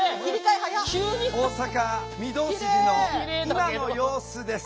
大阪・御堂筋の今の様子です。